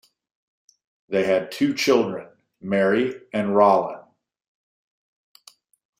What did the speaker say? They had two children, Mary and Rollin.